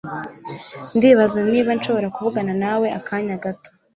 Ndibaza niba nshobora kuvugana nawe akanya gato.